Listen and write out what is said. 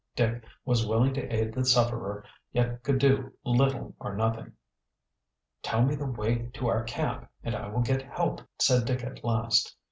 Dick was willing to aid the sufferer, yet could do little or nothing. "Tell me the way to our camp and I will get help," said Dick at last.